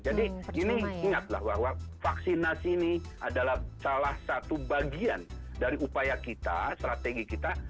jadi ini ingatlah bahwa vaksinasi ini adalah salah satu bagian dari upaya kita strategi kita